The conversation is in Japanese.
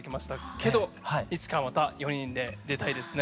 けどいつかまた４人で出たいですね。